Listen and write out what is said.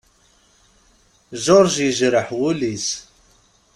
George yejreḥ wul-is.